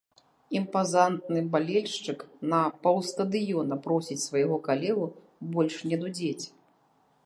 Імпазантны балельшчык на паўстадыёна просіць свайго калегу больш не дудзець.